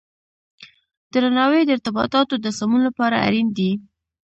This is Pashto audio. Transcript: درناوی د ارتباطاتو د سمون لپاره اړین دی.